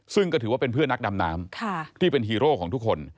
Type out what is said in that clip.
ซึ่งก็ถือว่าเป็นเพื่อนนักดำน้ำที่เป็นฮีโร่ของทุกคน